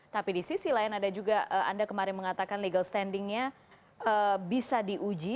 tapi di sisi lain ada juga anda kemarin mengatakan legal standingnya bisa diuji